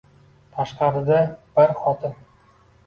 Tashqarida. Bir xotin.